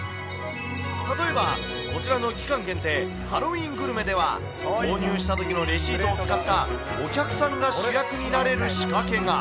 例えばこちらの期間限定、ハロウィーングルメでは、購入したときのレシートを使った、お客さんが主役になれる仕掛けが。